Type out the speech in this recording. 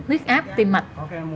nguyết áp tim mạch